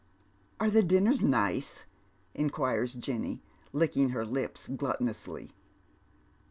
" Are the dinners nice ?" inquires Jenny, licking her lips glut tonously.